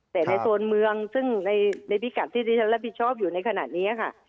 แต่ในโซนเมืองซึ่งในพิกัดที่ที่ฉันรับผิดชอบอยู่ในขณะนี้ค่ะ